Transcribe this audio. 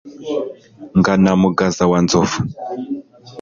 ngana mugaza wa nzovu